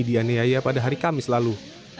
dianiaya pada hari kamis lalu